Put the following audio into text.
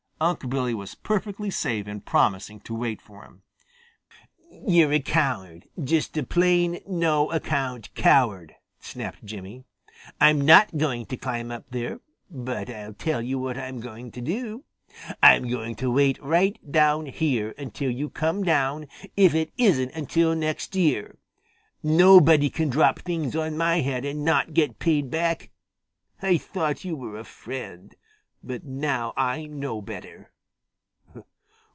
Unc' Billy was perfectly safe in promising to wait for him. "You're a coward, just a plain no account coward!" snapped Jimmy. "I'm not going to climb up there, but I'll tell you what I am going to do; I'm going to wait right down here until you come down, if it isn't until next year. Nobody can drop things on my head and not get paid back. I thought you were a friend, but now I know better."